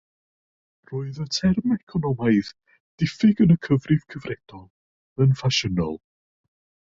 Roedd y term economaidd "diffyg yn y cyfrif cyfredol" yn ffasiynol.